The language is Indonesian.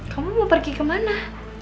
kamu mau pergi kemana